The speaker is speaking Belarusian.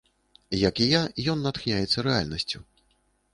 Як і я, ён натхняецца рэальнасцю.